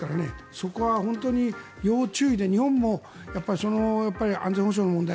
そこは本当に要注意で日本も安全保障の問題